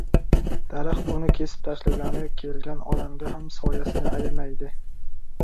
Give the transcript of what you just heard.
• Daraxt uni kesib tashlagani kelgan odamga ham soyasini ayamaydi.